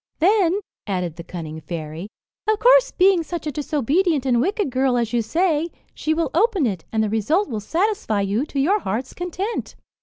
"Then," added the cunning fairy, "of course, being such a disobedient and wicked girl, as you say, she will open it, and the result will satisfy you to your heart's content."